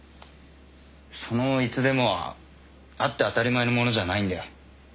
その「いつでも」はあって当たり前のものじゃないんだよ。